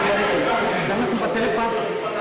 jangan sempat saya lepas